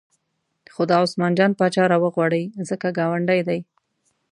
خو دا عثمان جان پاچا راوغواړئ ځکه ګاونډی دی.